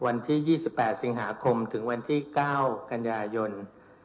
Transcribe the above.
วันที่๒๘สิงหาคมถึงวันที่๙กันยายน